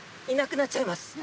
いなくなっちゃいます。